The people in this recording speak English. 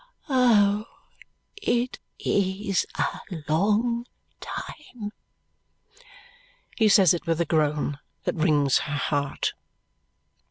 Oh, it is a long time!" He says it with a groan that wrings her heart.